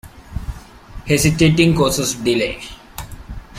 Hesitating causes delay.